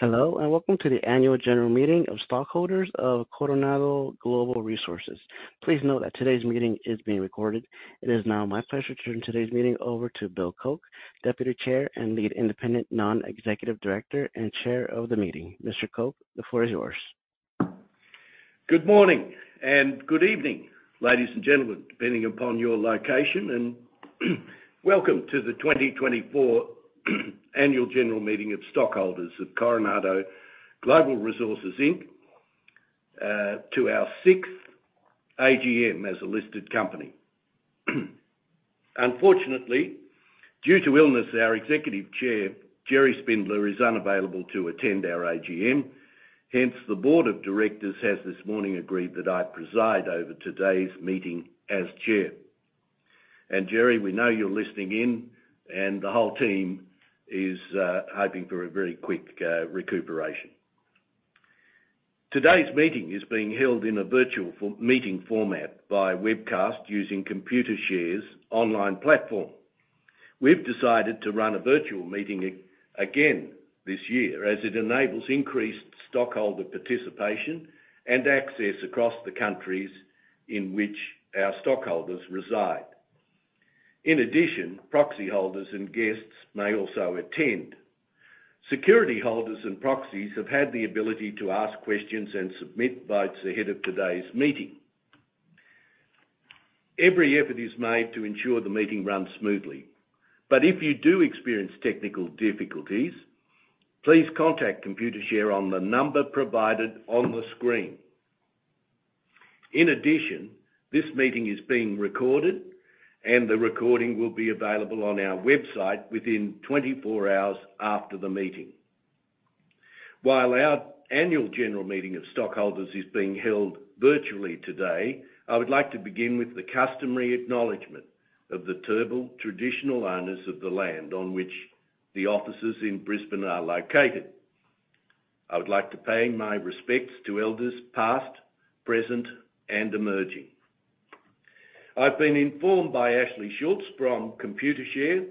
Hello, and welcome to the Annual General Meeting of Stockholders of Coronado Global Resources. Please note that today's meeting is being recorded. It is now my pleasure to turn today's meeting over to Bill Koeck, Deputy Chair and Lead Independent Non-Executive Director, and Chair of the meeting. Mr. Koeck, the floor is yours. Good morning and good evening, ladies and gentlemen, depending upon your location, and welcome to the 2024 Annual General Meeting of Stockholders of Coronado Global Resources, Inc., to our sixth AGM as a listed company. Unfortunately, due to illness, our Executive Chair, Gerry Spindler, is unavailable to attend our AGM. Hence, the board of directors has this morning agreed that I preside over today's meeting as chair. And Gerry, we know you're listening in, and the whole team is hoping for a very quick recuperation. Today's meeting is being held in a virtual meeting format by webcast using Computershare's online platform. We've decided to run a virtual meeting again this year, as it enables increased stockholder participation and access across the countries in which our stockholders reside. In addition, proxy holders and guests may also attend. Security holders and proxies have had the ability to ask questions and submit votes ahead of today's meeting. Every effort is made to ensure the meeting runs smoothly. But if you do experience technical difficulties, please contact Computershare on the number provided on the screen. In addition, this meeting is being recorded, and the recording will be available on our website within 24 hours after the meeting. While our annual general meeting of stockholders is being held virtually today, I would like to begin with the customary acknowledgment of the Turrbal traditional owners of the land on which the offices in Brisbane are located. I would like to pay my respects to elders past, present, and emerging. I've been informed by Ashley Schultz from Computershare,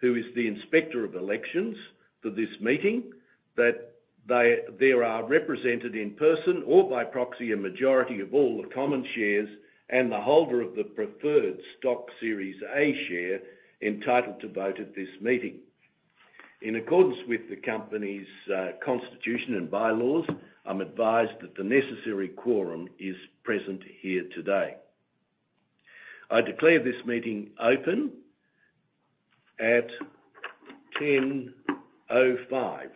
who is the Inspector of Elections for this meeting, that there are represented in person or by proxy, a majority of all the common shares and the holder of the preferred stock Series A share, entitled to vote at this meeting. In accordance with the company's constitution and bylaws, I'm advised that the necessary quorum is present here today. I declare this meeting open at 10:05 A.M.,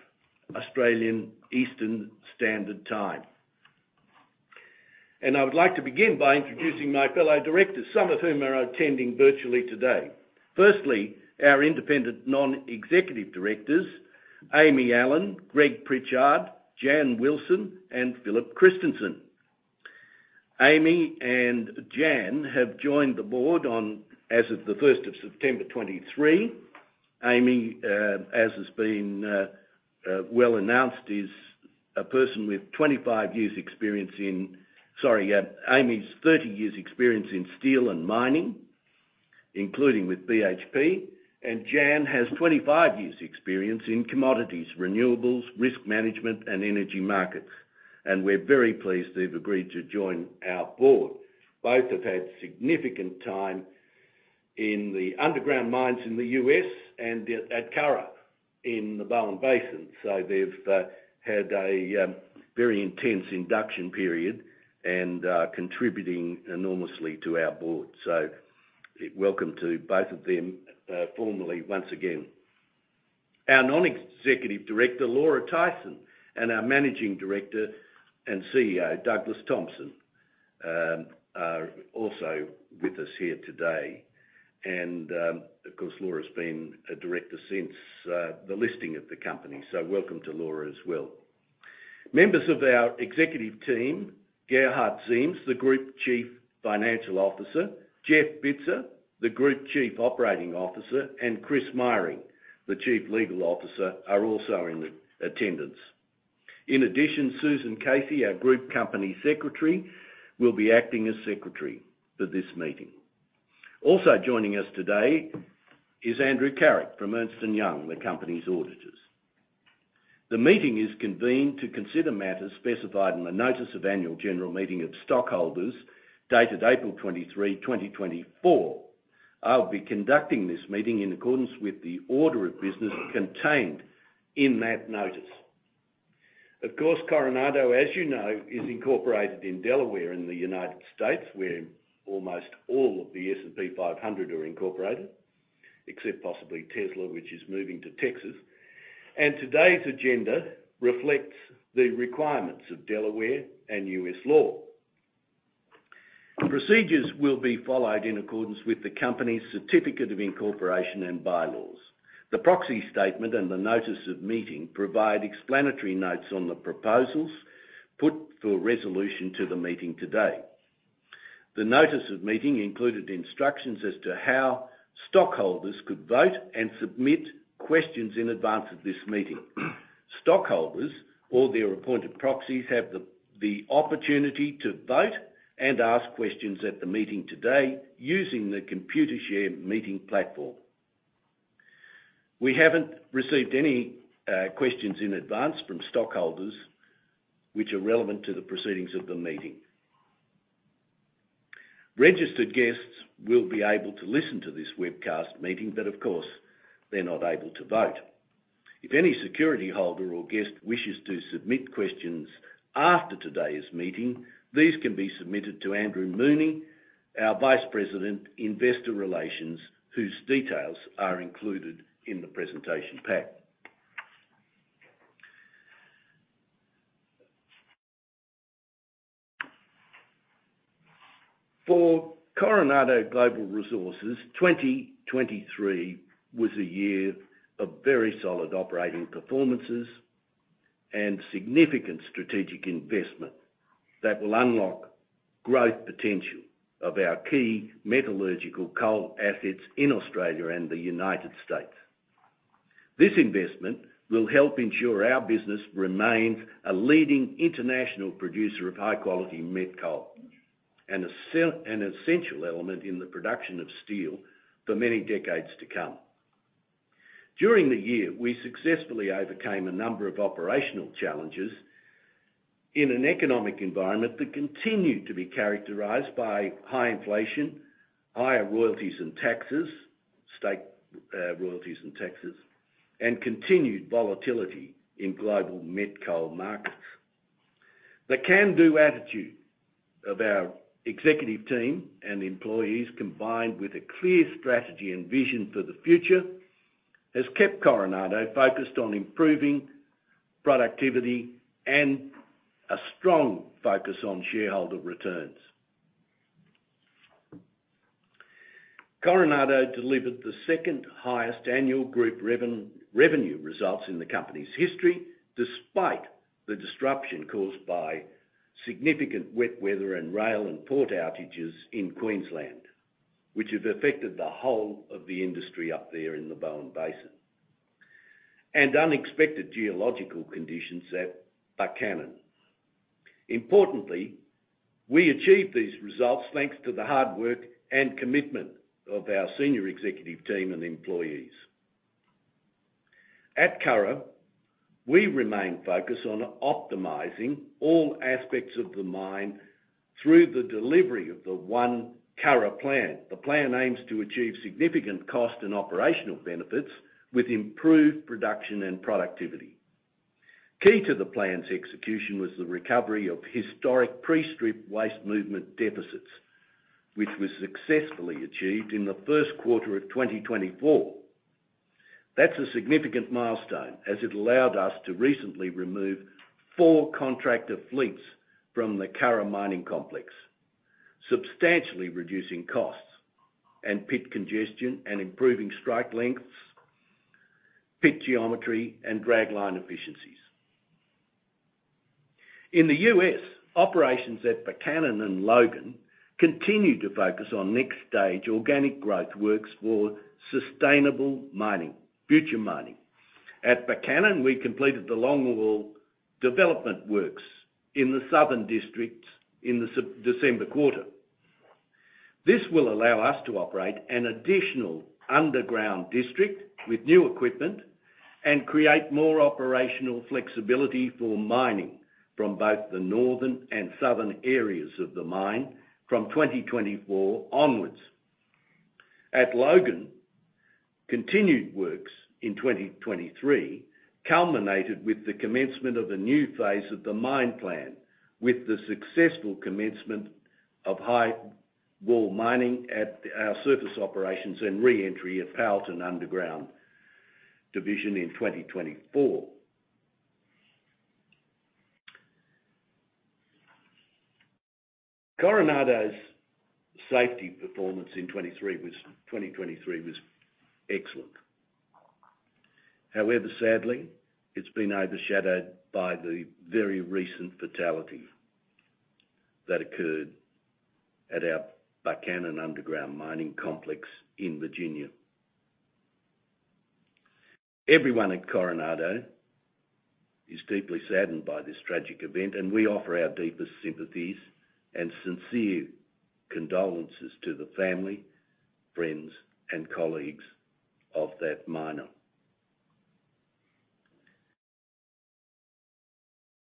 Australian Eastern Standard Time. I would like to begin by introducing my fellow directors, some of whom are attending virtually today. Firstly, our independent non-executive directors, Aimee Allen, Greg Pritchard, Janette Hewson, and Philip Christensen. Aimee and Janette have joined the board on... as of the first of September 2023. Aimee, as has been, well announced, is a person with 25 years experience in... Sorry, Aimee's 30 years experience in steel and mining, including with BHP, and Jan has 25 years experience in commodities, renewables, risk management, and energy markets. And we're very pleased they've agreed to join our board. Both have had significant time in the underground mines in the U.S. and at Curragh in the Bowen Basin. So they've had a very intense induction period and contributing enormously to our board. So welcome to both of them, formally, once again. Our Non-Executive Director, Laura Tyson, and our Managing Director and CEO, Douglas Thompson, are also with us here today. And, of course, Laura's been a director since the listing of the company, so welcome to Laura as well. Members of our executive team, Gerhard Ziems, the Group Chief Financial Officer, Jeff Bitzer, the Group Chief Operating Officer, and Christopher Dew, the Chief Legal Officer, are also in attendance. In addition, Susan Casey, our Group Company Secretary, will be acting as secretary for this meeting. Also joining us today is Andrew Carrick from Ernst & Young, the company's auditors. The meeting is convened to consider matters specified in the notice of annual general meeting of stockholders, dated April 23, 2024. I'll be conducting this meeting in accordance with the order of business contained in that notice. Of course, Coronado, as you know, is incorporated in Delaware, in the United States, where almost all of the S&P 500 are incorporated, except possibly Tesla, which is moving to Texas. Today's agenda reflects the requirements of Delaware and U.S. law. Procedures will be followed in accordance with the company's certificate of incorporation and bylaws. The proxy statement and the notice of meeting provide explanatory notes on the proposals put for resolution to the meeting today. The notice of meeting included instructions as to how stockholders could vote and submit questions in advance of this meeting. Stockholders or their appointed proxies have the opportunity to vote and ask questions at the meeting today using the Computershare meeting platform. We haven't received any questions in advance from stockholders, which are relevant to the proceedings of the meeting. Registered guests will be able to listen to this webcast meeting, but of course, they're not able to vote. If any security holder or guest wishes to submit questions after today's meeting, these can be submitted to Andrew Mooney, our Vice President, Investor Relations, whose details are included in the presentation pack. For Coronado Global Resources, 2023 was a year of very solid operating performances and significant strategic investment that will unlock growth potential of our key metallurgical coal assets in Australia and the United States. This investment will help ensure our business remains a leading international producer of high-quality met coal, and an essential element in the production of steel for many decades to come. During the year, we successfully overcame a number of operational challenges in an economic environment that continued to be characterized by high inflation, higher royalties and taxes, state royalties and taxes, and continued volatility in global met coal markets. The can-do attitude of our executive team and employees, combined with a clear strategy and vision for the future, has kept Coronado focused on improving productivity and a strong focus on shareholder returns. Coronado delivered the second-highest annual group revenue results in the company's history, despite the disruption caused by significant wet weather and rail and port outages in Queensland, which have affected the whole of the industry up there in the Bowen Basin, and unexpected geological conditions at Buchanan. Importantly, we achieved these results thanks to the hard work and commitment of our senior executive team and employees. At Curragh, we remain focused on optimizing all aspects of the mine through the delivery of the One Curragh Plan. The plan aims to achieve significant cost and operational benefits with improved production and productivity. Key to the plan's execution was the recovery of historic pre-strip waste movement deficits, which was successfully achieved in the first quarter of 2024. That's a significant milestone as it allowed us to recently remove four contractor fleets from the Curragh Complex, substantially reducing costs and pit congestion and improving strike lengths, pit geometry, and dragline efficiencies. In the U.S., operations at Buchanan and Logan continued to focus on next-stage organic growth works for sustainable mining, future mining. At Buchanan, we completed the Longwall development works in the southern districts in the December quarter. This will allow us to operate an additional underground district with new equipment and create more operational flexibility for mining from both the northern and southern areas of the mine from 2024 onwards. At Logan, continued works in 2023 culminated with the commencement of a new phase of the mine plan, with the successful commencement of highwall mining at our surface operations and re-entry at Powellton Underground division in 2024. Coronado's safety performance in 2023 was excellent. However, sadly, it's been overshadowed by the very recent fatality that occurred at our Buchanan underground mining complex in Virginia. Everyone at Coronado is deeply saddened by this tragic event, and we offer our deepest sympathies and sincere condolences to the family, friends, and colleagues of that miner.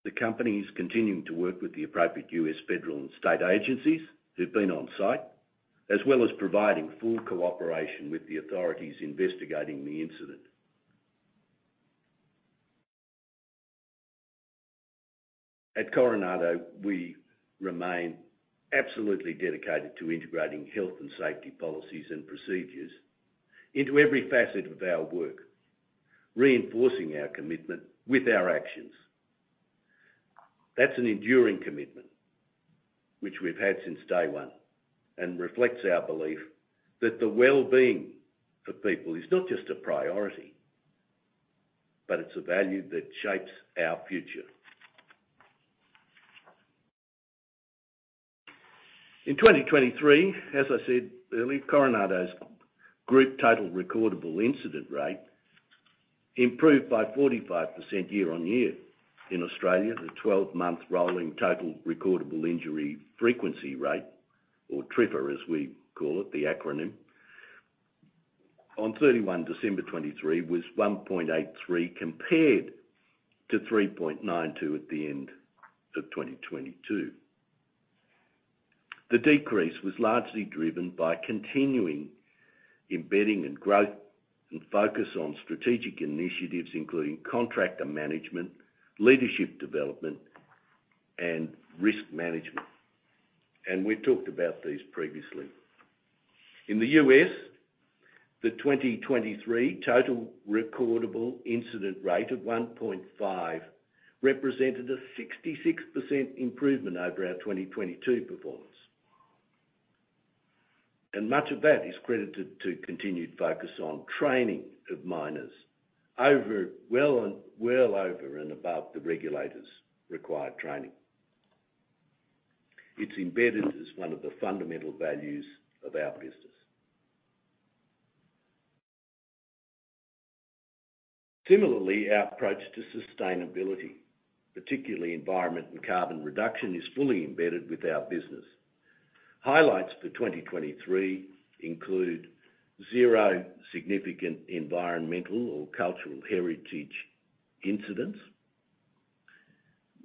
The company is continuing to work with the appropriate U.S. federal and state agencies who've been on-site, as well as providing full cooperation with the authorities investigating the incident. At Coronado, we remain absolutely dedicated to integrating health and safety policies and procedures into every facet of our work, reinforcing our commitment with our actions. That's an enduring commitment, which we've had since day one, and reflects our belief that the well-being of people is not just a priority, but it's a value that shapes our future. In 2023, as I said earlier, Coronado's group total recordable incident rate improved by 45% year-on-year. In Australia, the twelve-month rolling Total Recordable Injury Frequency Rate, or TRIFR, as we call it, the acronym, on 31 December 2023, was 1.83, compared to 3.92 at the end of 2022. The decrease was largely driven by continuing embedding and growth and focus on strategic initiatives, including contractor management, leadership development, and risk management, and we've talked about these previously. In the US, the 2023 total recordable incident rate of 1.5 represented a 66% improvement over our 2022 performance. And much of that is credited to continued focus on training of miners well over and above the regulators' required training. It's embedded as one of the fundamental values of our business. Similarly, our approach to sustainability, particularly environment and carbon reduction, is fully embedded with our business. Highlights for 2023 include zero significant environmental or cultural heritage incidents.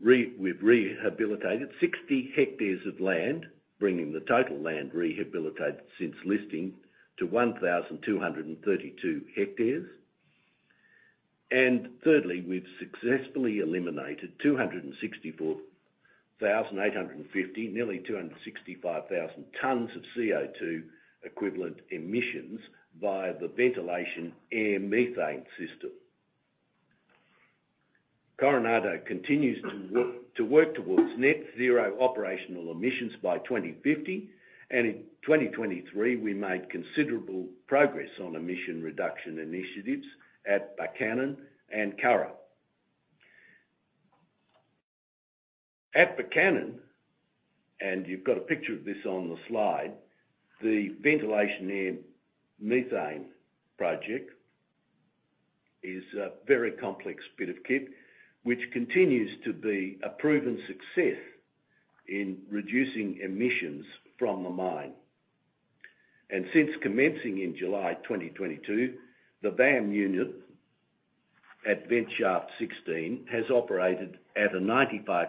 We've rehabilitated 60 hectares of land, bringing the total land rehabilitated since listing to 1,232 hectares. And thirdly, we've successfully eliminated 264,850, nearly 265,000 tons of CO2-equivalent emissions via the ventilation air methane system. Coronado continues to work towards net zero operational emissions by 2050, and in 2023, we made considerable progress on emission reduction initiatives at Buchanan and Curragh. At Buchanan, and you've got a picture of this on the slide, the ventilation air methane project is a very complex bit of kit, which continues to be a proven success in reducing emissions from the mine. Since commencing in July 2022, the VAM unit at Vent Shaft 16 has operated at a 95%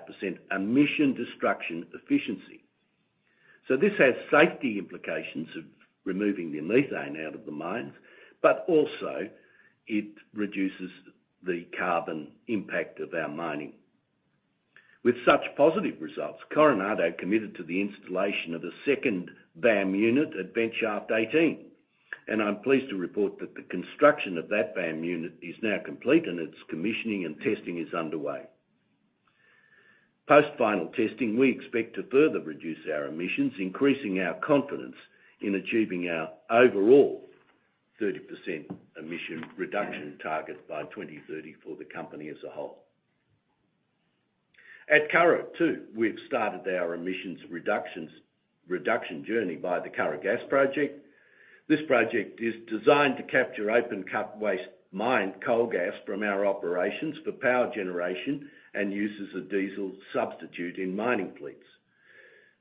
emission destruction efficiency. So this has safety implications of removing the methane out of the mines, but also it reduces the carbon impact of our mining. With such positive results, Coronado committed to the installation of a second VAM unit at Vent Shaft 18, and I'm pleased to report that the construction of that VAM unit is now complete, and its commissioning and testing is underway. Post-final testing, we expect to further reduce our emissions, increasing our confidence in achieving our overall 30% emission reduction target by 2030 for the company as a whole. At Curragh, too, we've started our emissions reduction journey by the Curragh Gas Project. This project is designed to capture open cut waste mined coal gas from our operations for power generation and use as a diesel substitute in mining fleets.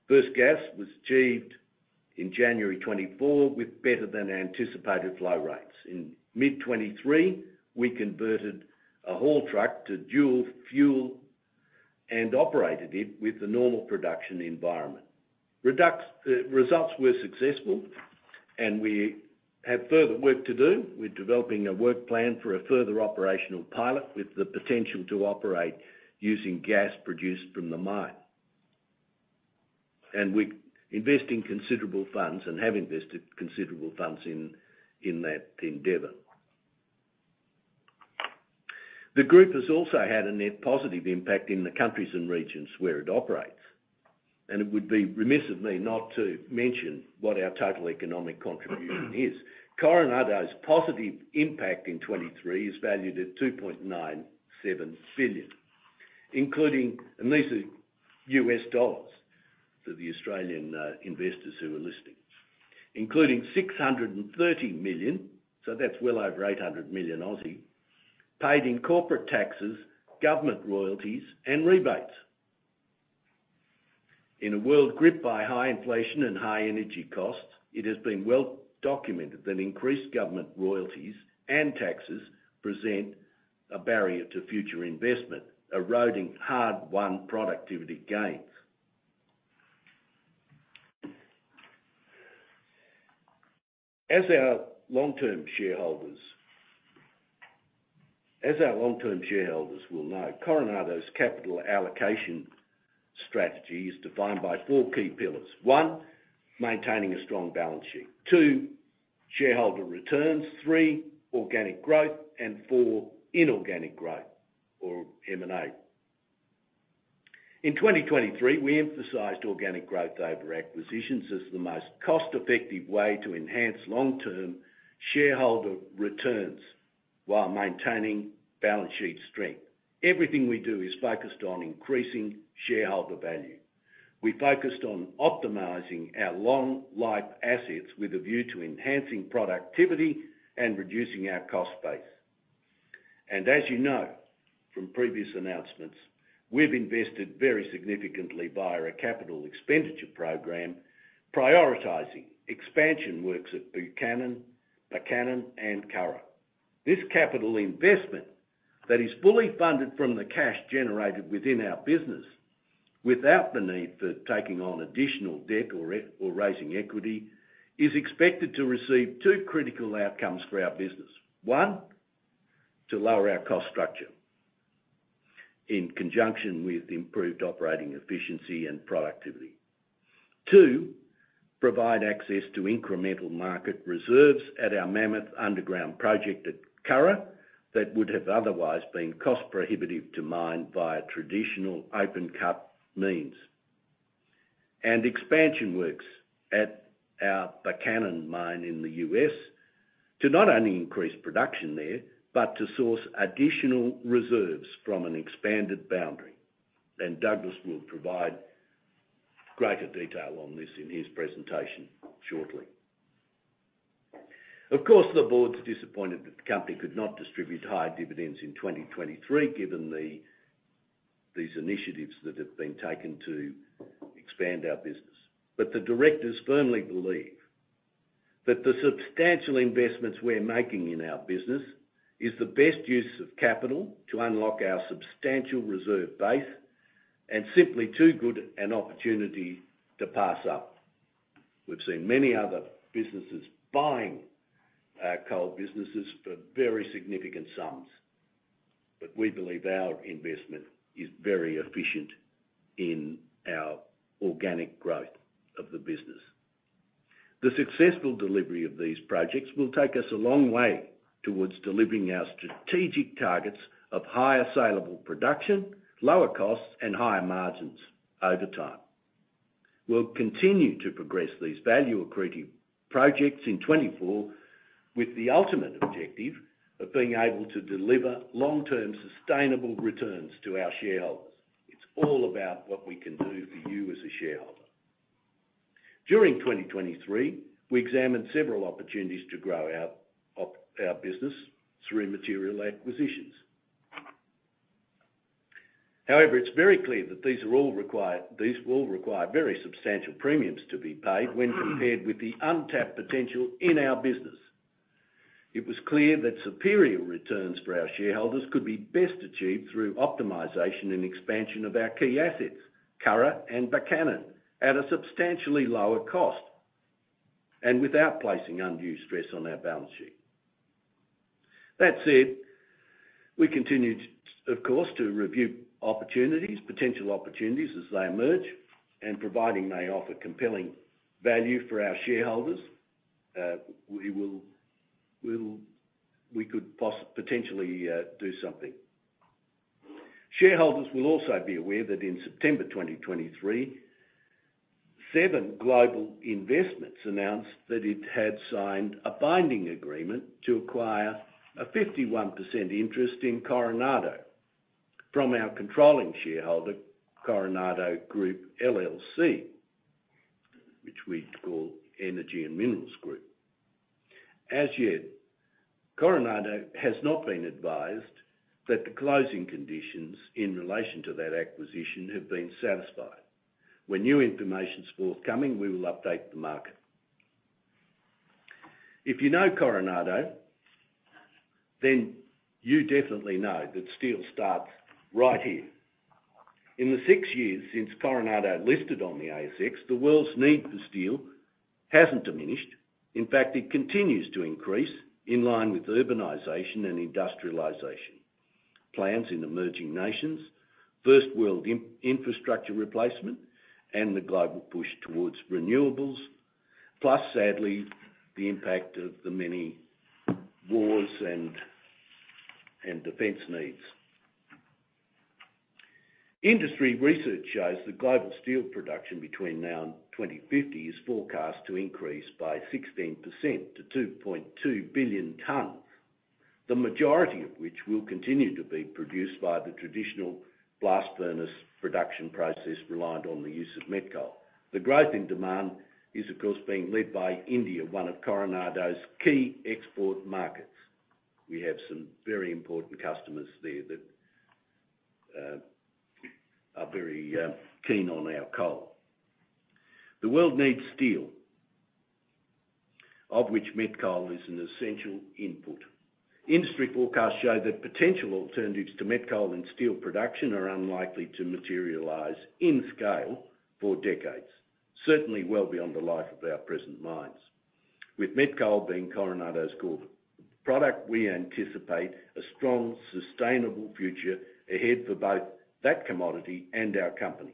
First gas was achieved in January 2024, with better than anticipated flow rates. In mid-2023, we converted a haul truck to dual fuel and operated it with the normal production environment. Results were successful, and we have further work to do. We're developing a work plan for a further operational pilot, with the potential to operate using gas produced from the mine. And we're investing considerable funds and have invested considerable funds in, in that endeavor. The group has also had a net positive impact in the countries and regions where it operates, and it would be remiss of me not to mention what our total economic contribution is. Coronado's positive impact in 2023 is valued at $2.97 billion, including... And these are US dollars for the Australian investors who are listening. Including $630 million, so that's well over 800 million, paid in corporate taxes, government royalties, and rebates. In a world gripped by high inflation and high energy costs, it has been well documented that increased government royalties and taxes present a barrier to future investment, eroding hard-won productivity gains. As our long-term shareholders, as our long-term shareholders will know, Coronado's capital allocation strategy is defined by four key pillars: one, maintaining a strong balance sheet; two, shareholder returns; three, organic growth; and four, inorganic growth, or M&A. In 2023, we emphasized organic growth over acquisitions as the most cost-effective way to enhance long-term shareholder returns while maintaining balance sheet strength. Everything we do is focused on increasing shareholder value. We focused on optimizing our long life assets with a view to enhancing productivity and reducing our cost base. As you know from previous announcements, we've invested very significantly via a capital expenditure program, prioritizing expansion works at Buchanan and Curragh. This capital investment that is fully funded from the cash generated within our business, without the need for taking on additional debt or raising equity, is expected to achieve two critical outcomes for our business. One, to lower our cost structure in conjunction with improved operating efficiency and productivity. Two, provide access to incremental market reserves at our Mammoth Underground project at Curragh, that would have otherwise been cost-prohibitive to mine via traditional open-cut means. Expansion works at our Buchanan Mine in the U.S., to not only increase production there, but to source additional reserves from an expanded boundary, and Douglas will provide greater detail on this in his presentation shortly. Of course, the board's disappointed that the company could not distribute higher dividends in 2023, given these initiatives that have been taken to expand our business. But the directors firmly believe that the substantial investments we're making in our business is the best use of capital to unlock our substantial reserve base, and simply too good an opportunity to pass up. We've seen many other businesses buying coal businesses for very significant sums, but we believe our investment is very efficient in our organic growth of the business. The successful delivery of these projects will take us a long way towards delivering our strategic targets of higher saleable production, lower costs, and higher margins over time. We'll continue to progress these value-accreting projects in 2024, with the ultimate objective of being able to deliver long-term, sustainable returns to our shareholders. It's all about what we can do for you as a shareholder. During 2023, we examined several opportunities to grow our, our business through material acquisitions. However, it's very clear that these are all required - these will require very substantial premiums to be paid when compared with the untapped potential in our business. It was clear that superior returns for our shareholders could be best achieved through optimization and expansion of our key assets, Curragh and Buchanan, at a substantially lower cost, and without placing undue stress on our balance sheet. That said, we continued, of course, to review opportunities, potential opportunities as they emerge, and providing they offer compelling value for our shareholders, we will potentially do something. Shareholders will also be aware that in September 2023, Seven Global Investments announced that it had signed a binding agreement to acquire a 51% interest in Coronado from our controlling shareholder, Coronado Group LLC, which we call Energy and Minerals Group. As yet, Coronado has not been advised that the closing conditions in relation to that acquisition have been satisfied. When new information is forthcoming, we will update the market. If you know Coronado, then you definitely know that steel starts right here. In the six years since Coronado listed on the ASX, the world's need for steel hasn't diminished. In fact, it continues to increase in line with urbanization and industrialization, plans in emerging nations, first world infrastructure replacement, and the global push towards renewables, plus, sadly, the impact of the many wars and defense needs. Industry research shows that global steel production between now and 2050 is forecast to increase by 16% to 2.2 billion tons. The majority of which will continue to be produced by the traditional blast furnace production process, reliant on the use of met coal. The growth in demand is, of course, being led by India, one of Coronado's key export markets. We have some very important customers there that are very keen on our coal. The world needs steel, of which met coal is an essential input. Industry forecasts show that potential alternatives to met coal and steel production are unlikely to materialize in scale for decades, certainly well beyond the life of our present mines. With met coal being Coronado's core product, we anticipate a strong, sustainable future ahead for both that commodity and our company.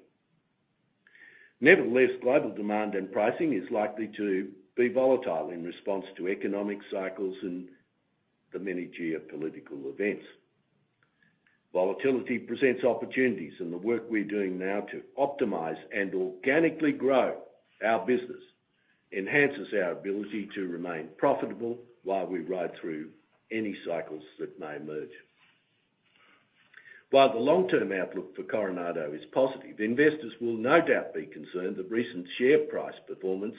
Nevertheless, global demand and pricing is likely to be volatile in response to economic cycles and the many geopolitical events. Volatility presents opportunities, and the work we're doing now to optimize and organically grow our business enhances our ability to remain profitable while we ride through any cycles that may emerge.... While the long-term outlook for Coronado is positive, investors will no doubt be concerned that recent share price performance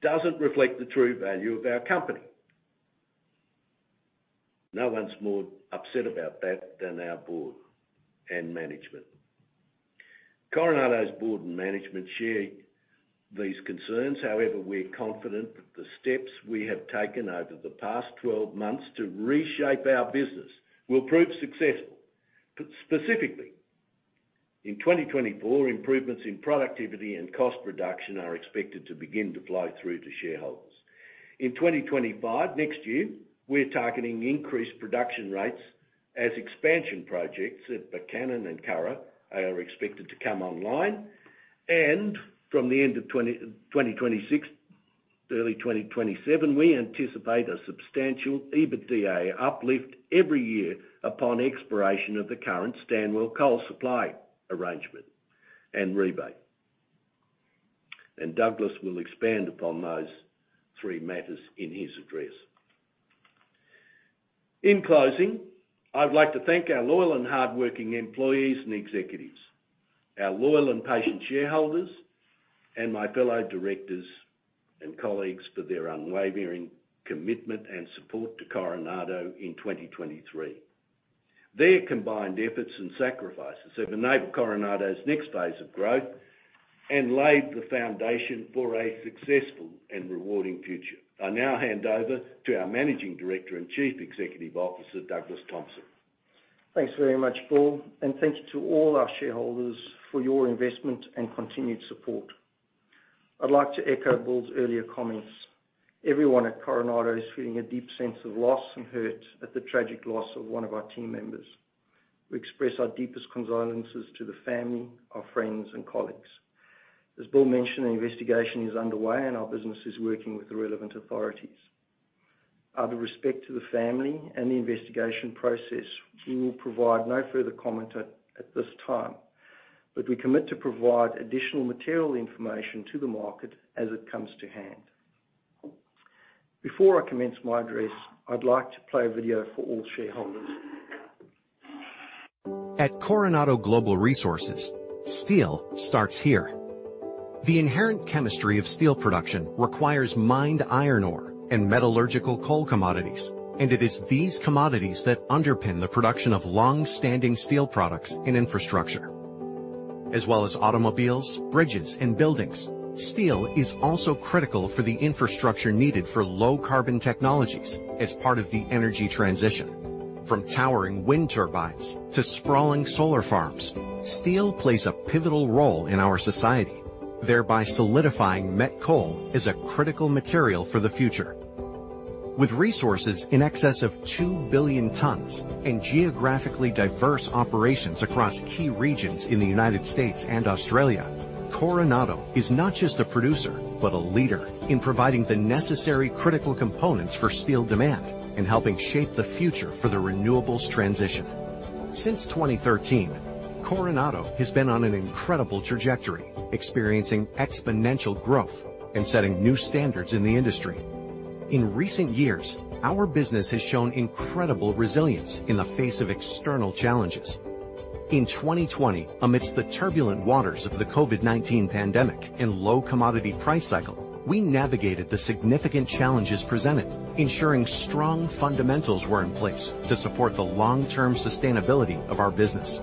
doesn't reflect the true value of our company. No one's more upset about that than our board and management. Coronado's board and management share these concerns. However, we're confident that the steps we have taken over the past 12 months to reshape our business will prove successful. Specifically, in 2024, improvements in productivity and cost reduction are expected to begin to flow through to shareholders. In 2025, next year, we're targeting increased production rates as expansion projects at Buchanan and Curragh are expected to come online, and from the end of 2026, early 2027, we anticipate a substantial EBITDA uplift every year upon expiration of the current Stanwell coal supply arrangement and rebate. And Douglas will expand upon those three matters in his address. In closing, I'd like to thank our loyal and hardworking employees and executives, our loyal and patient shareholders, and my fellow directors and colleagues for their unwavering commitment and support to Coronado in 2023. Their combined efforts and sacrifices have enabled Coronado's next phase of growth and laid the foundation for a successful and rewarding future. I now hand over to our Managing Director and Chief Executive Officer, Douglas Thompson. Thanks very much,, and thank you to all our shareholders for your investment and continued support. I'd like to echo Bill's earlier comments. Everyone at Coronado is feeling a deep sense of loss and hurt at the tragic loss of one of our team members. We express our deepest condolences to the family, our friends, and colleagues. As Bill mentioned, an investigation is underway, and our business is working with the relevant authorities. Out of respect to the family and the investigation process, we will provide no further comment at, at this time, but we commit to provide additional material information to the market as it comes to hand. Before I commence my address, I'd like to play a video for all shareholders. At Coronado Global Resources, steel starts here. The inherent chemistry of steel production requires mined iron ore and metallurgical coal commodities, and it is these commodities that underpin the production of long-standing steel products and infrastructure. As well as automobiles, bridges, and buildings, steel is also critical for the infrastructure needed for low-carbon technologies as part of the energy transition. From towering wind turbines to sprawling solar farms, steel plays a pivotal role in our society, thereby solidifying met coal as a critical material for the future. With resources in excess of 2 billion tons and geographically diverse operations across key regions in the United States and Australia, Coronado is not just a producer, but a leader in providing the necessary critical components for steel demand and helping shape the future for the renewables transition. Since 2013, Coronado has been on an incredible trajectory, experiencing exponential growth and setting new standards in the industry. In recent years, our business has shown incredible resilience in the face of external challenges. In 2020, amidst the turbulent waters of the COVID-19 pandemic and low commodity price cycle, we navigated the significant challenges presented, ensuring strong fundamentals were in place to support the long-term sustainability of our business.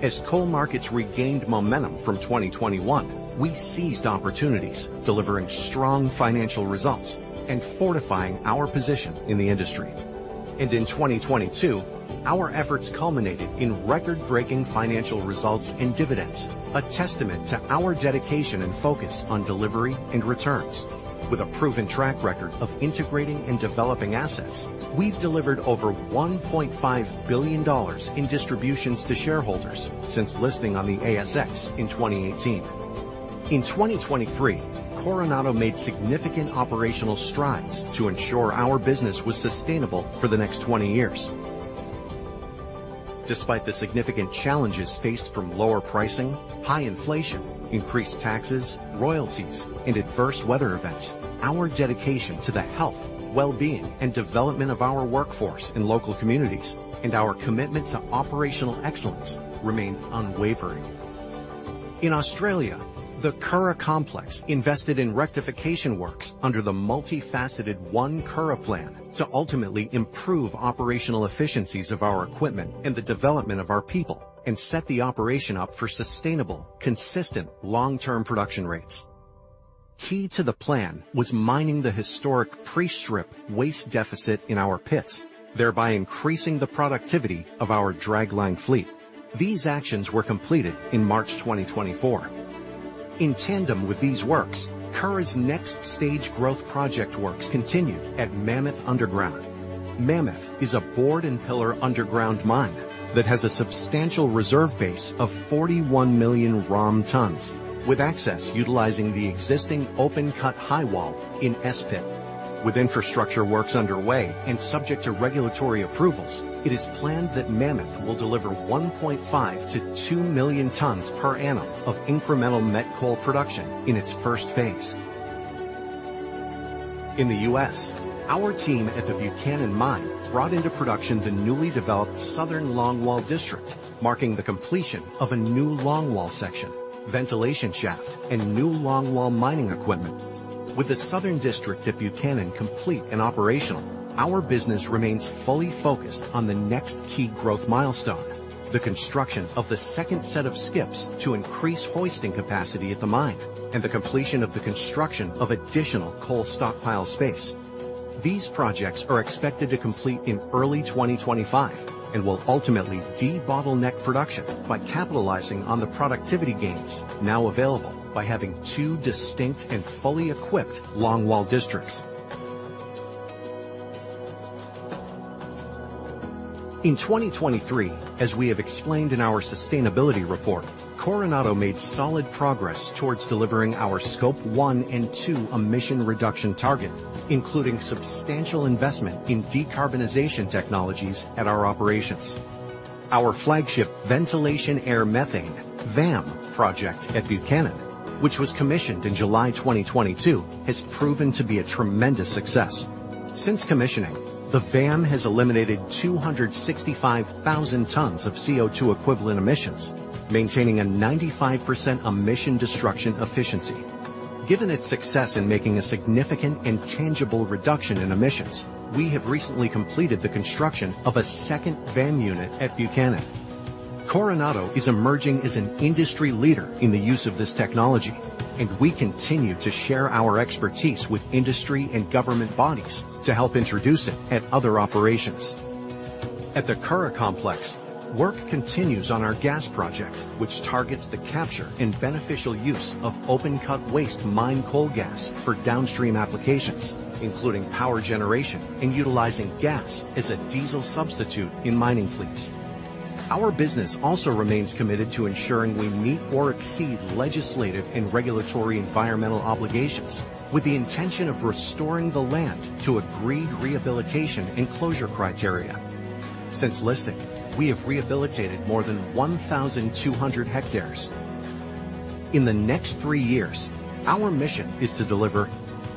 As coal markets regained momentum from 2021, we seized opportunities, delivering strong financial results and fortifying our position in the industry. And in 2022, our efforts culminated in record-breaking financial results and dividends, a testament to our dedication and focus on delivery and returns. With a proven track record of integrating and developing assets, we've delivered over $1.5 billion in distributions to shareholders since listing on the ASX in 2018. In 2023, Coronado made significant operational strides to ensure our business was sustainable for the next 20 years. Despite the significant challenges faced from lower pricing, high inflation, increased taxes, royalties, and adverse weather events, our dedication to the health, well-being, and development of our workforce and local communities, and our commitment to operational excellence remain unwavering. In Australia, the Curragh Complex invested in rectification works under the multifaceted One Curragh Plan to ultimately improve operational efficiencies of our equipment and the development of our people and set the operation up for sustainable, consistent, long-term production rates. Key to the plan was mining the historic pre-strip waste deficit in our pits, thereby increasing the productivity of our dragline fleet. These actions were completed in March 2024. In tandem with these works, Curragh's next stage growth project works continued at Mammoth Underground. Mammoth is a board and pillar underground mine that has a substantial reserve base of 41 million tonnes, with access utilizing the existing open-cut high wall in S Pit. With infrastructure works underway and subject to regulatory approvals, it is planned that Mammoth will deliver 1.5-2 million tons per annum of incremental met coal production in its first phase. In the U.S., our team at the Buchanan Mine brought into production the newly developed Southern Longwall District, marking the completion of a new longwall section, ventilation shaft, and new longwall mining equipment. With the southern district at Buchanan complete and operational, our business remains fully focused on the next key growth milestone: the construction of the second set of skips to increase hoisting capacity at the mine and the completion of the construction of additional coal stockpile space. These projects are expected to complete in early 2025 and will ultimately debottleneck production by capitalizing on the productivity gains now available by having two distinct and fully equipped longwall districts. In 2023, as we have explained in our sustainability report, Coronado made solid progress towards delivering our Scope 1 and 2 emission reduction target, including substantial investment in decarbonization technologies at our operations. Our flagship Ventilation Air Methane, VAM, project at Buchanan, which was commissioned in July 2022, has proven to be a tremendous success. Since commissioning, the VAM has eliminated 265,000 tons of CO2 equivalent emissions, maintaining a 95% emission destruction efficiency. Given its success in making a significant and tangible reduction in emissions, we have recently completed the construction of a second VAM unit at Buchanan. Coronado is emerging as an industry leader in the use of this technology, and we continue to share our expertise with industry and government bodies to help introduce it at other operations. At the Curragh Complex, work continues on our gas project, which targets the capture and beneficial use of open-cut waste mine coal gas for downstream applications, including power generation and utilizing gas as a diesel substitute in mining fleets. Our business also remains committed to ensuring we meet or exceed legislative and regulatory environmental obligations with the intention of restoring the land to agreed rehabilitation and closure criteria. Since listing, we have rehabilitated more than 1,200 hectares. In the next three years, our mission is to deliver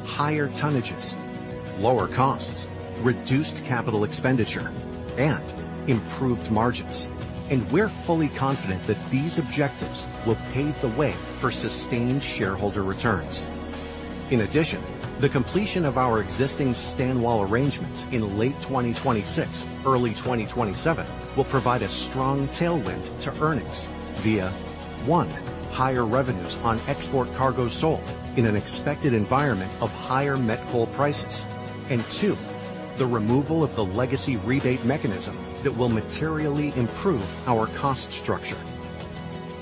higher tonnages, lower costs, reduced capital expenditure, and improved margins. We're fully confident that these objectives will pave the way for sustained shareholder returns. In addition, the completion of our existing Stanwell arrangements in late 2026, early 2027, will provide a strong tailwind to earnings via, one, higher revenues on export cargo sold in an expected environment of higher met coal prices, and two, the removal of the legacy rebate mechanism that will materially improve our cost structure.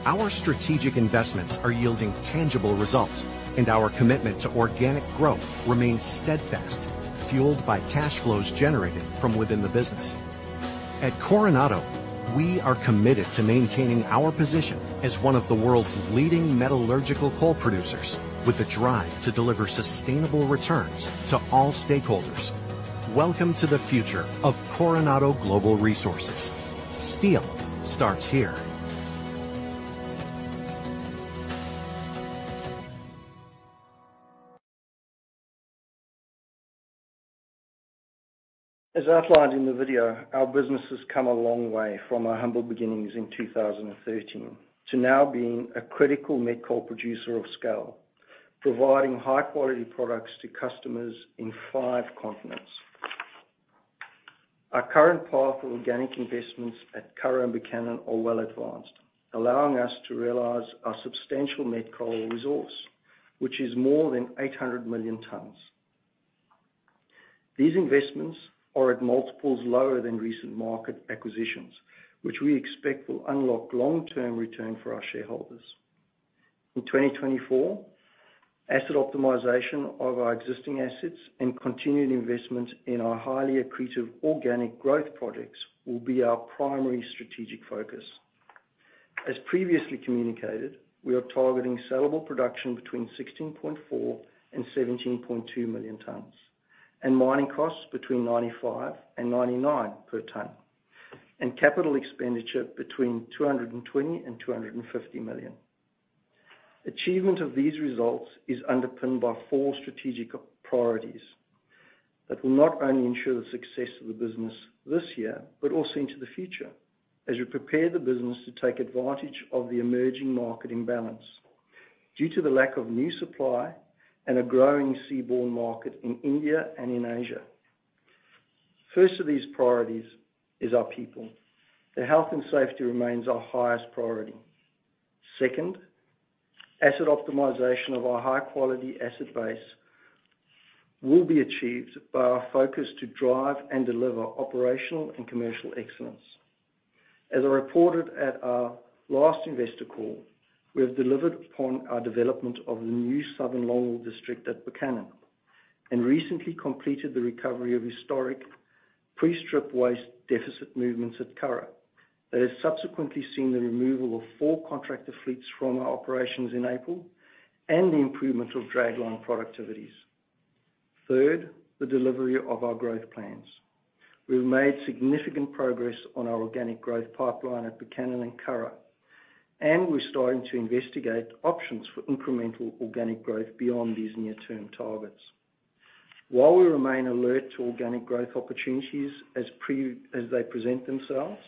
Our strategic investments are yielding tangible results, and our commitment to organic growth remains steadfast, fueled by cash flows generated from within the business. At Coronado, we are committed to maintaining our position as one of the world's leading metallurgical coal producers, with a drive to deliver sustainable returns to all stakeholders. Welcome to the future of Coronado Global Resources. Steel starts here. As outlined in the video, our business has come a long way from our humble beginnings in 2013 to now being a critical met coal producer of scale, providing high-quality products to customers in 5 continents. Our current path of organic investments at Curragh and Buchanan are well advanced, allowing us to realize our substantial met coal resource, which is more than 800 million tons. These investments are at multiples lower than recent market acquisitions, which we expect will unlock long-term return for our shareholders. In 2024, asset optimization of our existing assets and continued investments in our highly accretive organic growth projects will be our primary strategic focus. As previously communicated, we are targeting sellable production between 16.4 and 17.2 million tons, and mining costs between $95 and $99 per ton, and capital expenditure between $220 and $250 million. Achievement of these results is underpinned by four strategic priorities that will not only ensure the success of the business this year, but also into the future, as we prepare the business to take advantage of the emerging market imbalance due to the lack of new supply and a growing seaborne market in India and in Asia. First of these priorities is our people. Their health and safety remains our highest priority. Second, asset optimization of our high-quality asset base will be achieved by our focus to drive and deliver operational and commercial excellence. As I reported at our last investor call, we have delivered upon our development of the new Southern Longwall District at Buchanan and recently completed the recovery of historic pre-strip waste deficit movements at Curragh. That has subsequently seen the removal of four contractor fleets from our operations in April and the improvement of dragline productivities. Third, the delivery of our growth plans. We've made significant progress on our organic growth pipeline at Buchanan and Curragh... and we're starting to investigate options for incremental organic growth beyond these near-term targets. While we remain alert to organic growth opportunities as pre- as they present themselves,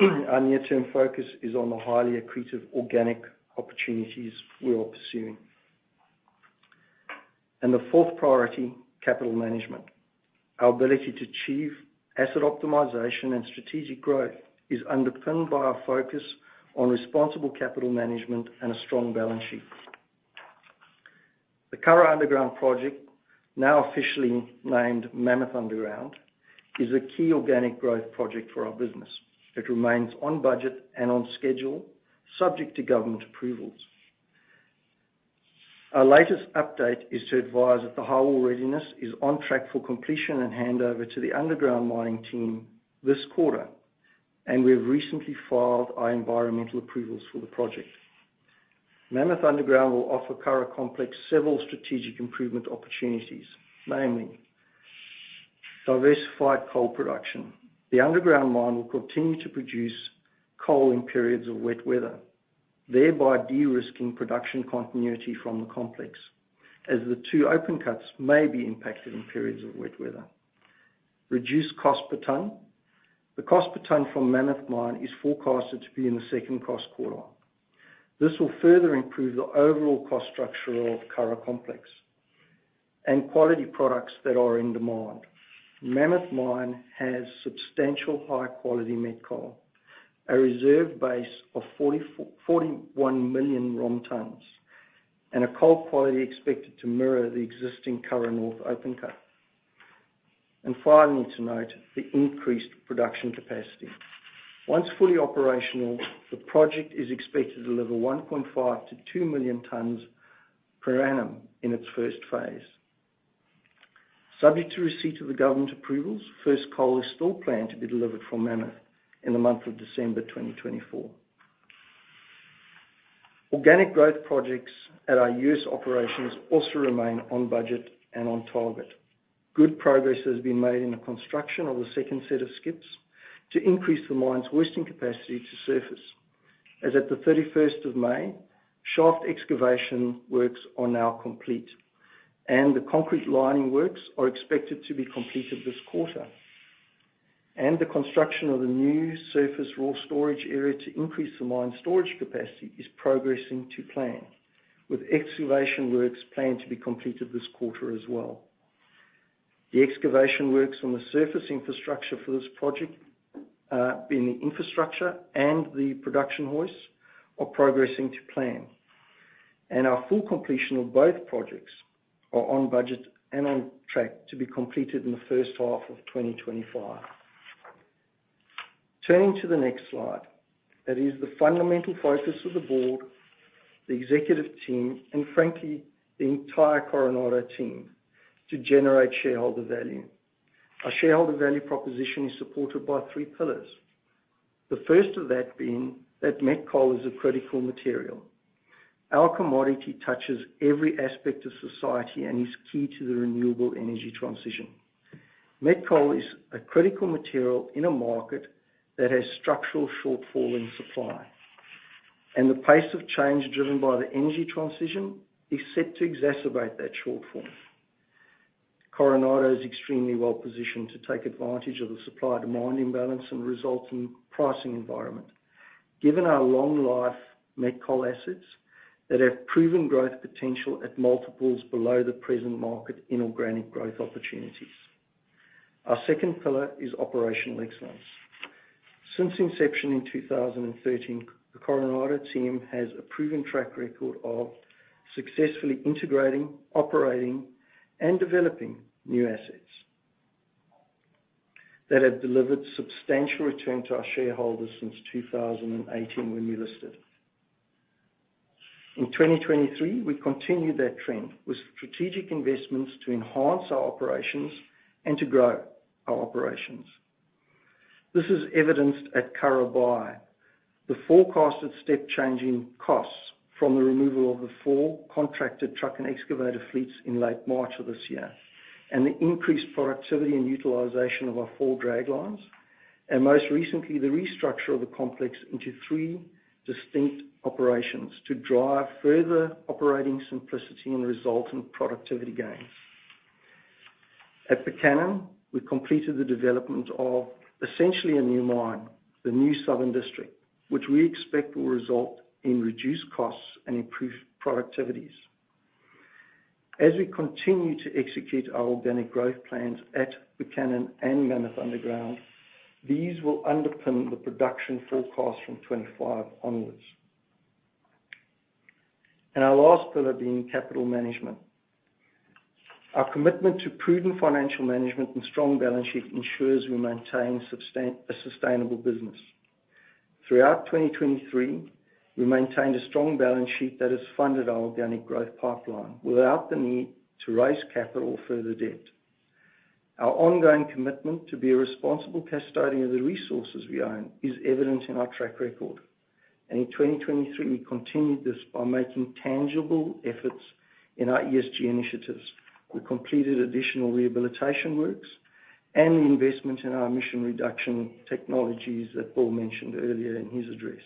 our near-term focus is on the highly accretive organic opportunities we are pursuing. And the fourth priority, capital management. Our ability to achieve asset optimization and strategic growth is underpinned by our focus on responsible capital management and a strong balance sheet. The Curragh Underground project, now officially named Mammoth Underground, is a key organic growth project for our business. It remains on budget and on schedule, subject to government approvals. Our latest update is to advise that the highwall readiness is on track for completion and handover to the underground mining team this quarter, and we have recently filed our environmental approvals for the project. Mammoth Underground will offer Curragh Complex several strategic improvement opportunities, namely, diversified coal production. The underground mine will continue to produce coal in periods of wet weather, thereby de-risking production continuity from the complex, as the two open cuts may be impacted in periods of wet weather. Reduced cost per ton. The cost per ton from Mammoth Underground is forecasted to be in the second cost quartile. This will further improve the overall cost structure of Curragh Complex and quality products that are in demand. Mammoth Mine has substantial high-quality met coal, a reserve base of 41 million ROM tons, and a coal quality expected to mirror the existing Curragh North open cut. And finally, to note, the increased production capacity. Once fully operational, the project is expected to deliver 1.5-2 million tons per annum in its first phase. Subject to receipt of the government approvals, first coal is still planned to be delivered from Mammoth in the month of December 2024. Organic growth projects at our U.S. operations also remain on budget and on target. Good progress has been made in the construction of the second set of skips to increase the mine's hoisting capacity to surface. As at the 31st of May, shaft excavation works are now complete, and the concrete lining works are expected to be completed this quarter. The construction of the new surface raw storage area to increase the mine storage capacity is progressing to plan, with excavation works planned to be completed this quarter as well. The excavation works on the surface infrastructure for this project, in the infrastructure and the production hoist, are progressing to plan, and our full completion of both projects are on budget and on track to be completed in the first half of 2025. Turning to the next slide, that is the fundamental focus of the board, the executive team, and frankly, the entire Coronado team, to generate shareholder value. Our shareholder value proposition is supported by three pillars. The first of that being that met coal is a critical material. Our commodity touches every aspect of society and is key to the renewable energy transition. Met coal is a critical material in a market that has structural shortfall in supply, and the pace of change driven by the energy transition is set to exacerbate that shortfall. Coronado is extremely well-positioned to take advantage of the supply-demand imbalance and resulting pricing environment, given our long life met coal assets that have proven growth potential at multiples below the present market inorganic growth opportunities. Our second pillar is operational excellence. Since inception in 2013, the Coronado team has a proven track record of successfully integrating, operating, and developing new assets that have delivered substantial return to our shareholders since 2018, when we listed. In 2023, we continued that trend with strategic investments to enhance our operations and to grow our operations. This is evidenced at Curragh by the forecasted step change in costs from the removal of the four contracted truck and excavator fleets in late March of this year, and the increased productivity and utilization of our four draglines, and most recently, the restructure of the complex into three distinct operations to drive further operating simplicity and resultant productivity gains. At Buchanan, we completed the development of essentially a new mine, the new Southern District, which we expect will result in reduced costs and improved productivities. As we continue to execute our organic growth plans at Buchanan and Mammoth Underground, these will underpin the production forecast from 2025 onwards. Our last pillar being capital management. Our commitment to prudent financial management and strong balance sheet ensures we maintain a sustainable business. Throughout 2023, we maintained a strong balance sheet that has funded our organic growth pipeline without the need to raise capital or further debt. Our ongoing commitment to be a responsible custodian of the resources we own is evident in our track record, and in 2023, we continued this by making tangible efforts in our ESG initiatives. We completed additional rehabilitation works and the investment in our emission reduction technologies that Paul mentioned earlier in his address.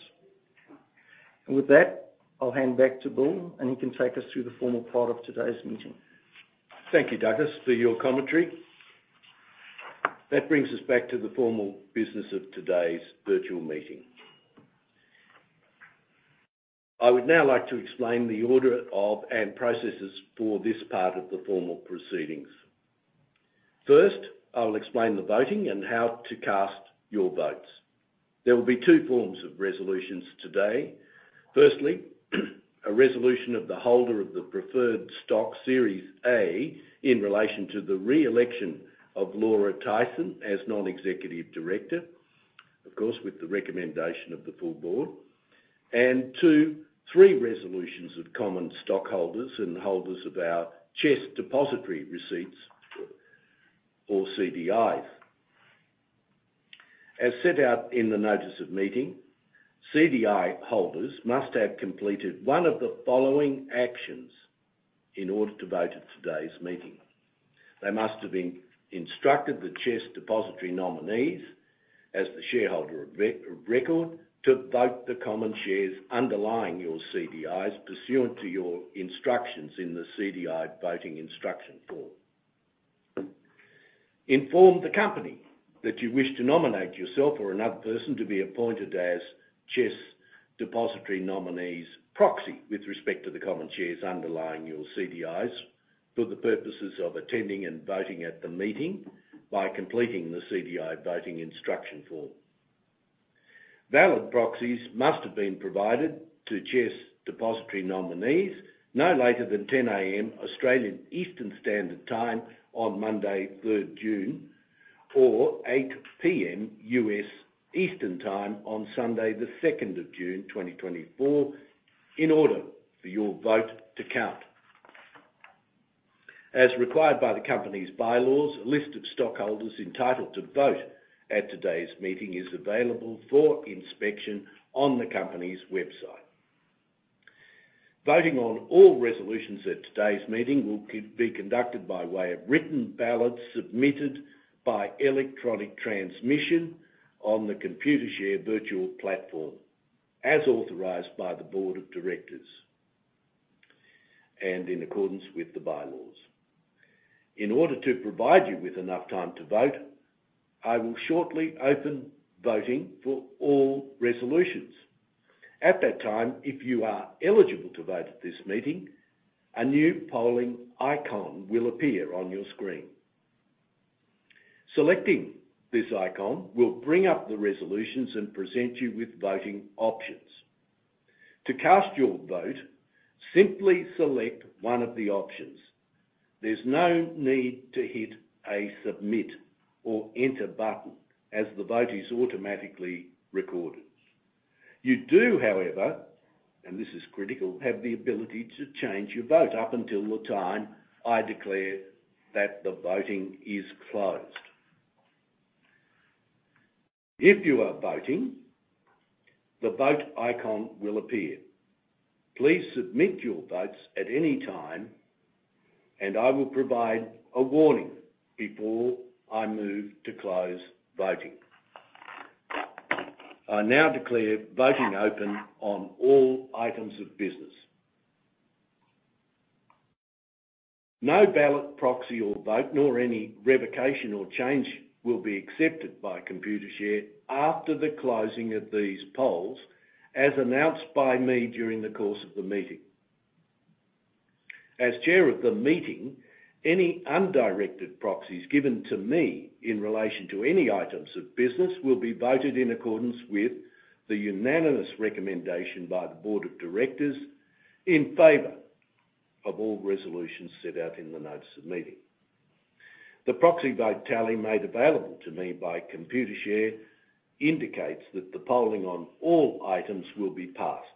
And with that, I'll hand back to Bill, and he can take us through the formal part of today's meeting. Thank you, Douglas, for your commentary. That brings us back to the formal business of today's virtual meeting. I would now like to explain the order of, and processes for this part of the formal proceedings. First, I will explain the voting and how to cast your votes. There will be two forms of resolutions today. Firstly, a resolution of the holder of the Preferred Stock Series A, in relation to the re-election of Laura Tyson as non-executive director, of course, with the recommendation of the full board. And two, three resolutions of common stockholders and holders of our CHESS Depositary Interests or CDIs. As set out in the notice of meeting, CDI holders must have completed one of the following actions in order to vote at today's meeting. They must have been instructed the CHESS Depositary Nominees, as the shareholder of record, to vote the common shares underlying your CDIs pursuant to your instructions in the CDI voting instruction form. Inform the company that you wish to nominate yourself or another person to be appointed as CHESS Depositary Nominees' proxy, with respect to the common shares underlying your CDIs, for the purposes of attending and voting at the meeting by completing the CDI voting instruction form. Valid proxies must have been provided to CHESS Depositary Nominees no later than 10:00 A.M., Australian Eastern Standard Time on Monday, third June, or 8:00 P.M. US Eastern Time on Sunday, the second of June 2024, in order for your vote to count. As required by the company's bylaws, a list of stockholders entitled to vote at today's meeting is available for inspection on the company's website. Voting on all resolutions at today's meeting will be conducted by way of written ballots submitted by electronic transmission on the Computershare virtual platform, as authorized by the board of directors and in accordance with the bylaws. In order to provide you with enough time to vote, I will shortly open voting for all resolutions. At that time, if you are eligible to vote at this meeting, a new polling icon will appear on your screen. Selecting this icon will bring up the resolutions and present you with voting options. To cast your vote, simply select one of the options. There's no need to hit a Submit or Enter button, as the vote is automatically recorded. You do, however, and this is critical, have the ability to change your vote up until the time I declare that the voting is closed. If you are voting, the vote icon will appear. Please submit your votes at any time, and I will provide a warning before I move to close voting. I now declare voting open on all items of business. No ballot, proxy or vote, nor any revocation or change, will be accepted by Computershare after the closing of these polls, as announced by me during the course of the meeting. As chair of the meeting, any undirected proxies given to me in relation to any items of business will be voted in accordance with the unanimous recommendation by the board of directors, in favor of all resolutions set out in the notice of meeting. The proxy vote tally made available to me by Computershare indicates that the polling on all items will be passed.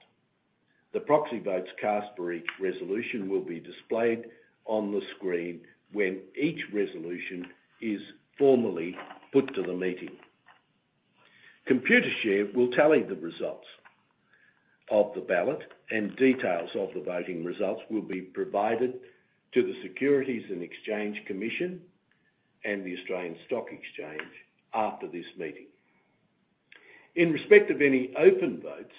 The proxy votes cast for each resolution will be displayed on the screen when each resolution is formally put to the meeting. Computershare will tally the results of the ballot, and details of the voting results will be provided to the Securities and Exchange Commission and the Australian Securities Exchange after this meeting. In respect of any open votes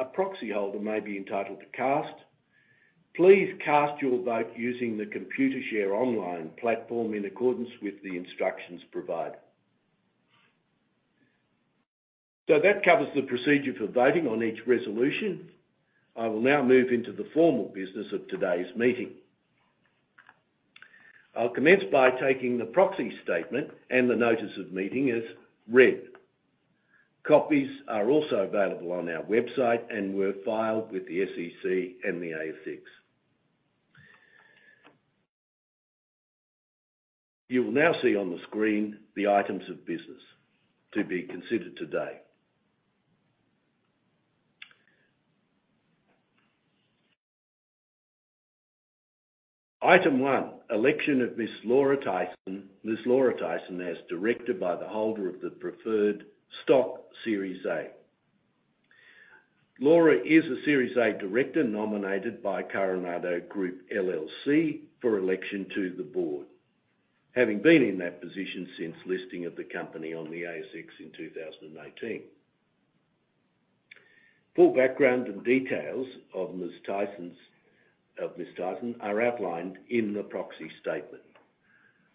a proxy holder may be entitled to cast, please cast your vote using the Computershare online platform in accordance with the instructions provided. That covers the procedure for voting on each resolution. I will now move into the formal business of today's meeting. I'll commence by taking the proxy statement and the notice of meeting as read. Copies are also available on our website and were filed with the SEC and the ASX. You will now see on the screen the items of business to be considered today. Item 1: Election of Ms. Laura Tyson, Ms. Laura Tyson, as director by the holder of the Preferred Stock Series A... Laura is a Series A director nominated by Coronado Group LLC for election to the board, having been in that position since listing of the company on the ASX in 2018. Full background and details of Ms. Tyson's, of Ms. Tyson are outlined in the proxy statement.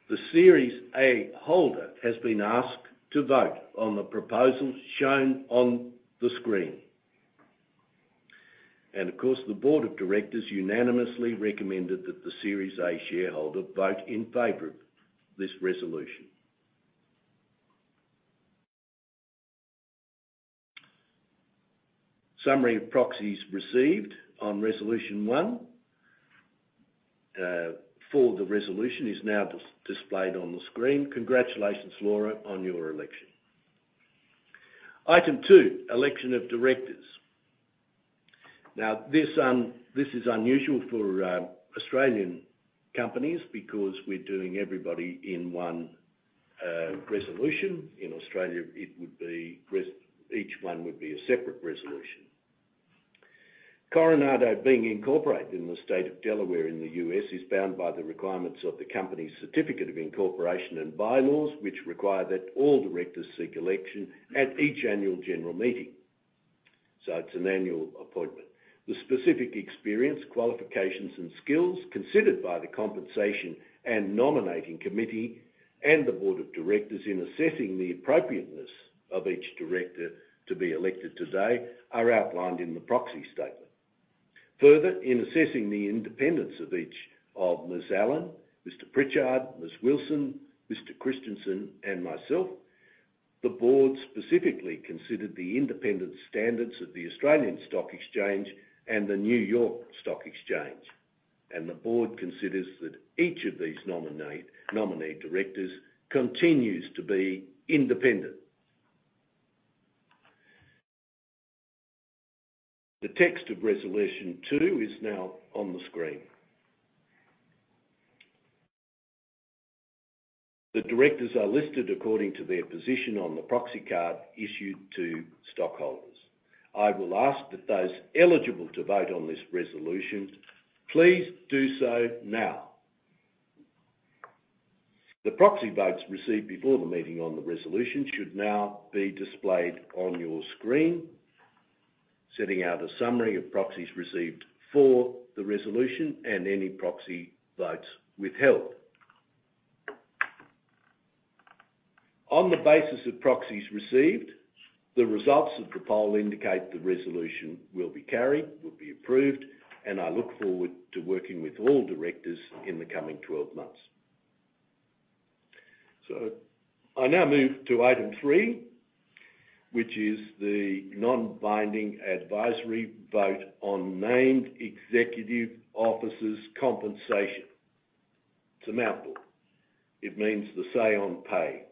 The Series A holder has been asked to vote on the proposals shown on the screen. Of course, the board of directors unanimously recommended that the Series A shareholder vote in favor of this resolution. Summary of proxies received on Resolution 1 for the resolution is now displayed on the screen. Congratulations, Laura, on your election. Item 2: Election of directors. Now, this is unusual for Australian companies because we're doing everybody in one resolution. In Australia, it would be each one would be a separate resolution. Coronado, being incorporated in the state of Delaware in the U.S., is bound by the requirements of the company's certificate of incorporation and bylaws, which require that all directors seek election at each annual general meeting. So it's an annual appointment. The specific experience, qualifications, and skills considered by the Compensation and Nominating Committee and the board of directors in assessing the appropriateness of each director to be elected today are outlined in the proxy statement. Further, in assessing the independence of each of Ms. Allen, Mr. Pritchard, Ms. Wilson, Mr. Christensen, and myself, the board specifically considered the independent standards of the Australian Securities Exchange and the New York Stock Exchange. The board considers that each of these nominee directors continues to be independent. The text of Resolution Two is now on the screen. The directors are listed according to their position on the proxy card issued to stockholders. I will ask that those eligible to vote on this resolution, please do so now. The proxy votes received before the meeting on the resolution should now be displayed on your screen, setting out a summary of proxies received for the resolution and any proxy votes withheld. On the basis of proxies received, the results of the poll indicate the resolution will be carried, will be approved, and I look forward to working with all directors in the coming 12 months. So I now move to item three, which is the non-binding advisory vote on named executive officers' compensation. It's a mouthful. It means the say on pay.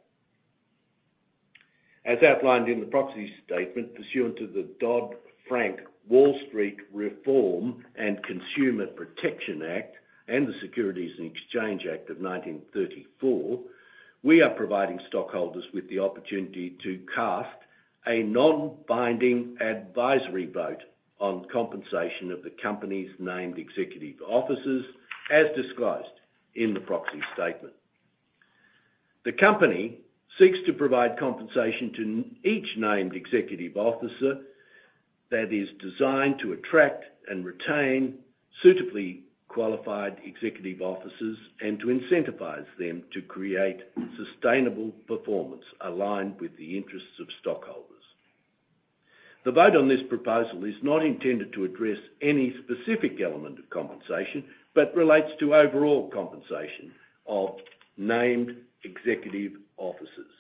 As outlined in the proxy statement, pursuant to the Dodd-Frank Wall Street Reform and Consumer Protection Act and the Securities and Exchange Act of 1934, we are providing stockholders with the opportunity to cast a non-binding advisory vote on compensation of the company's named executive officers, as disclosed in the proxy statement. The company seeks to provide compensation to each named executive officer that is designed to attract and retain suitably qualified executive officers and to incentivize them to create sustainable performance aligned with the interests of stockholders. The vote on this proposal is not intended to address any specific element of compensation, but relates to overall compensation of named executive officers.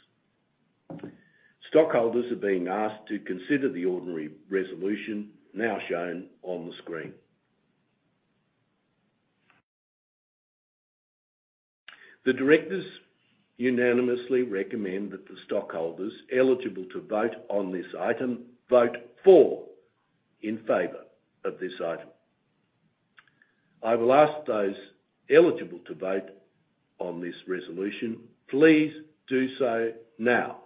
Stockholders are being asked to consider the ordinary resolution now shown on the screen. The directors unanimously recommend that the stockholders eligible to vote on this item vote for, in favor of this item. I will ask those eligible to vote on this resolution, please do so now.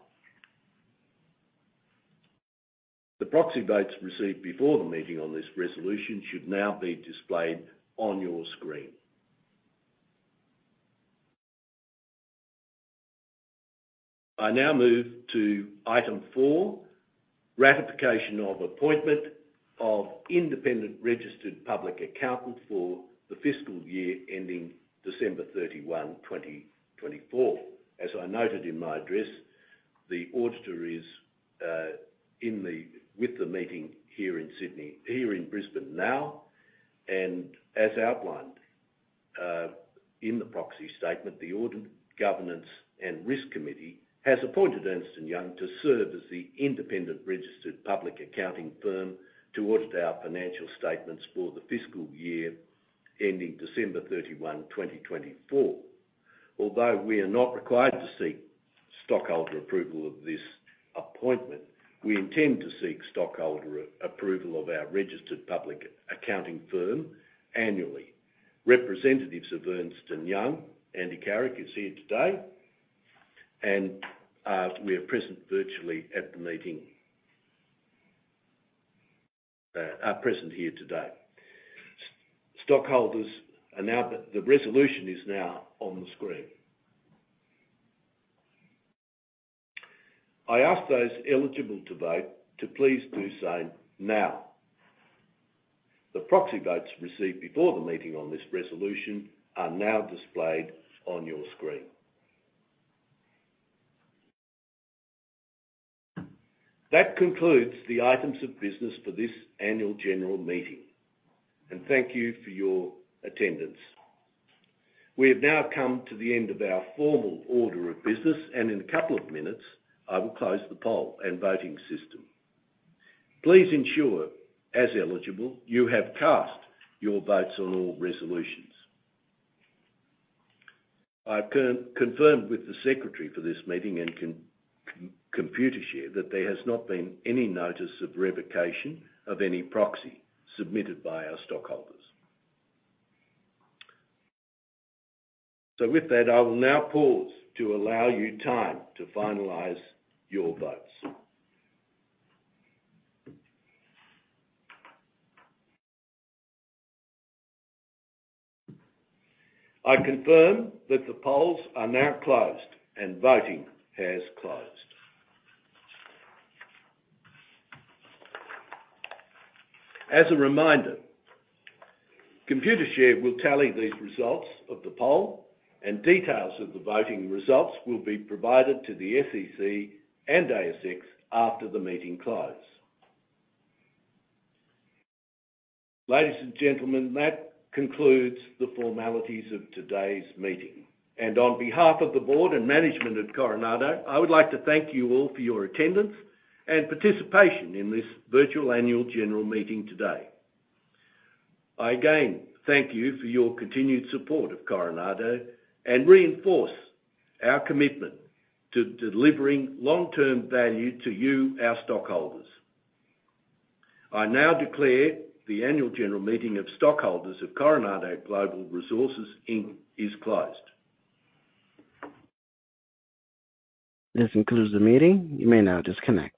The proxy votes received before the meeting on this resolution should now be displayed on your screen. I now move to item four, ratification of appointment of independent registered public accountant for the fiscal year ending December 31, 2024. As I noted in my address, the auditor is in the meeting here in Sydney, here in Brisbane now, and as outlined in the proxy statement, the Audit, Governance, and Risk Committee has appointed Ernst & Young to serve as the independent registered public accounting firm to audit our financial statements for the fiscal year ending December 31, 2024. Although we are not required to seek stockholder approval of this appointment, we intend to seek stockholder approval of our registered public accounting firm annually. Representatives of Ernst & Young, Andy Carrick, is here today and, we are present virtually at the meeting. Are present here today. Stockholders are now, the resolution is now on the screen. I ask those eligible to vote to please do so now. The proxy votes received before the meeting on this resolution are now displayed on your screen. That concludes the items of business for this annual general meeting, and thank you for your attendance. We have now come to the end of our formal order of business, and in a couple of minutes, I will close the poll and voting system. Please ensure, as eligible, you have cast your votes on all resolutions. I've confirmed with the secretary for this meeting and Computershare, that there has not been any notice of revocation of any proxy submitted by our stockholders. With that, I will now pause to allow you time to finalize your votes. I confirm that the polls are now closed and voting has closed. As a reminder, Computershare will tally these results of the poll, and details of the voting results will be provided to the SEC and ASX after the meeting close. Ladies and gentlemen, that concludes the formalities of today's meeting. And on behalf of the board and management at Coronado, I would like to thank you all for your attendance and participation in this virtual annual general meeting today. I again, thank you for your continued support of Coronado and reinforce our commitment to delivering long-term value to you, our stockholders. I now declare the annual general meeting of stockholders of Coronado Global Resources Inc. is closed. This concludes the meeting. You may now disconnect.